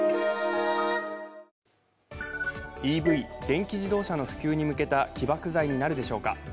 ＥＶ＝電気自動車の普及に向けた起爆剤になるでしょうか。